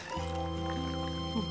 うん。